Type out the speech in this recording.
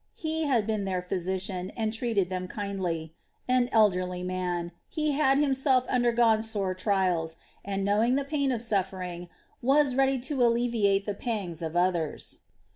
He had been their physician and treated them kindly an elderly man, he had himself undergone sore trials and, knowing the pain of suffering, was ready to alleviate the pangs of others.